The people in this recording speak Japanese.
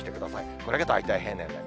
これが大体平年並み。